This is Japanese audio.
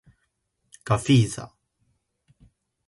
ガフィーザ